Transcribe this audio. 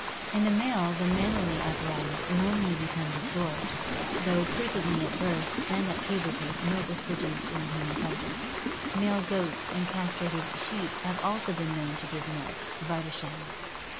In the male, the mammary apparatus normally becomes absorbed, though frequently at birth and at puberty milk is produced in the human subject. Male goats and castrated sheep have also been known to give milk (Wiedersheim).